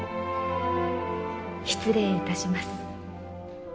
失礼いたします。